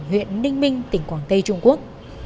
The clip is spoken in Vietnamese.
huyện ninh minh tỉnh quảng tây trung quốc